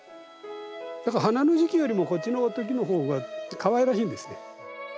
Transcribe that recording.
だから花の時期よりもこっちのときのほうがかわいらしいんですね。